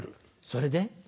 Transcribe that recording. それで？